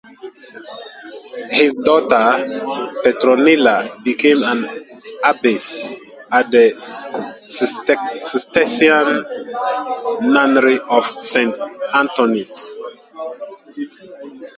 His daughter, Petronilla, became an abbess at the Cistercian nunnery of Saint Antoine's.